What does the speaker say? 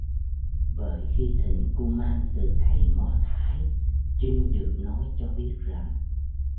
Bởi khi thỉnh kuman từ thầy mo thái trinh được nói cho biết rằng